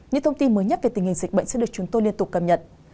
những thông tin mới nhất về tình hình dịch bệnh sẽ được chúng tôi liên tục cầm nhận